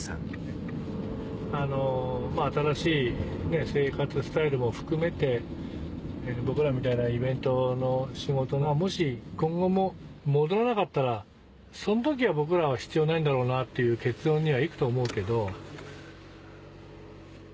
新しい生活スタイルも含めて僕らみたいなイベントの仕事がもし今後も戻らなかったらその時は僕らは必要ないんだろうなっていう結論には行くと思うけど。